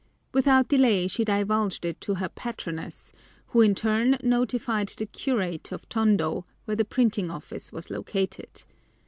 Without delay she divulged it to her patroness, who in turn notified the curate of Tondo, where the printing office was located.